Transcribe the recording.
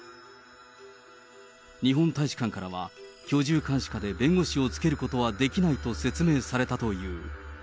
日本大使館からは、居住監視下で弁護士をつけることはできないと説明されたという。